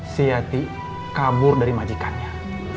si yati kabur dari majikannya